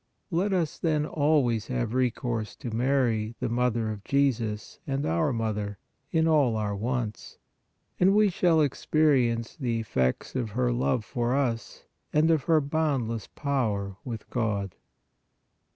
Let us, then, always have recourse to Mary, the Mother of Jesus and our Mother, in all our wants, and we shall experi ence the effects of her love for us and of her bound less power with God.